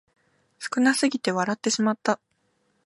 少なすぎて笑ってしまった